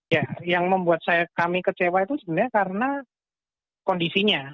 ya yang membuat kami kecewa itu sebenarnya karena kondisinya